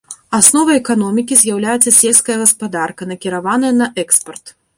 Асновай эканомікі з'яўляецца сельская гаспадарка, накіраваная на экспарт.